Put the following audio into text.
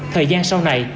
thời gian sau này